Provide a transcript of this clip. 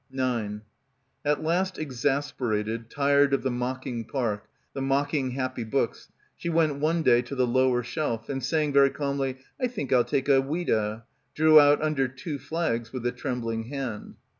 9 At last exasperated; tired of the mocking park, the mocking happy books, she went one day to the lower shelf, and saying very calmly, "I think I'll take a Ouida," drew out "Under Two Flags" with a trembling hand.